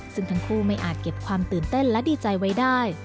ซึ่งทั้งคู่ไม่อาจเก็บความตื่นเต้นและดีใจไว้ได้